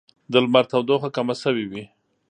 د لمر تودوخه کمه شوې وي